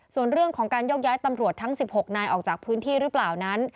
ส่วนเรื่องของการยกย้ายตำรวจทั้ง๑๖นายออกจากพื้นที่หรือเปล่านั้น